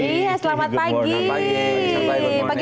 iya selamat pagi